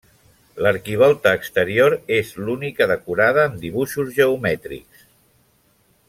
L'arquivolta exterior és l'única decorada amb dibuixos geomètrics.